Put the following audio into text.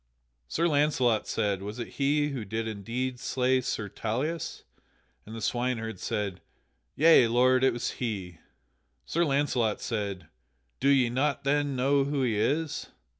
Sir Launcelot said, "Was it he who did indeed slay Sir Tauleas?" And the swineherd said, "Yea, lord, it was he." Sir Launcelot said, "Do ye not then know who he is?"